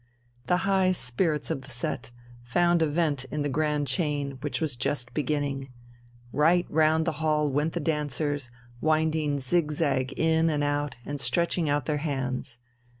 The high spirits of the set found a vent in the grand chain, which was just beginning. Right round the hall went the dancers, winding zig zag in and out and stretching out their hands.